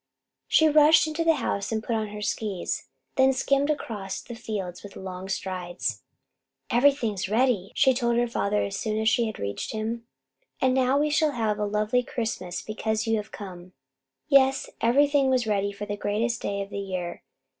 She rushed into the house and put on her skis, then skimmed across the fields with long strides. "Everything is ready," she told her father as soon as she reached him. "And now we shall have a lovely Christmas because you have come." Yes, everything was ready for the greatest day of the year.